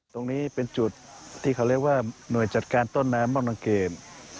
ตรงนี้เป็นจุดที่เขาเรียกว่าหน่วยจัดการต้นน้ำบ้านรังเกต